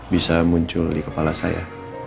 bisa muncul di kepala saya